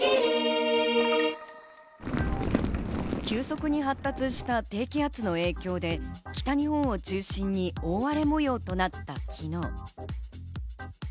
急速に発達した低気圧の影響で、北日本を中心に大荒れもようとなった昨日。